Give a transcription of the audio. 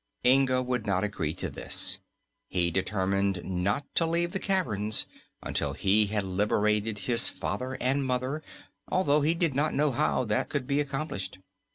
Inga would not agree to this. He determined not to leave the caverns until he had liberated his father and mother, although he did not then know how that could be accomplished.